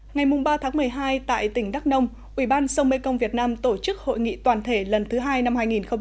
ngày ba tháng một mươi hai tại tỉnh đắk nông ủy ban sông mê công việt nam tổ chức hội nghị toàn thể lần thứ hai năm hai nghìn một mươi chín